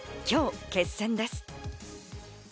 今日、決選です。